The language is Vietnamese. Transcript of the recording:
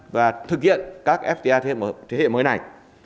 và thực hiện các fta thế hệ mới này